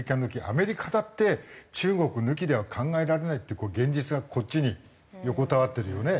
アメリカだって中国抜きでは考えられないっていう現実がこっちに横たわってるよね。